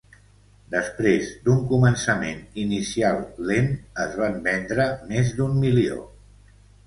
Després d'un començament inicial lent, es van vendre més d'un milió.